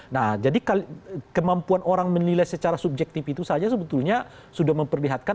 nah jadi kemampuan orang menilai secara subjektif itu saja sebetulnya sudah memperlihatkan